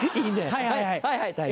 はいはいはい！